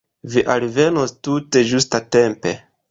Vi alvenos tute ĝustatempe.